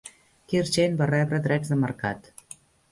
Kirchhain va rebre drets de mercat.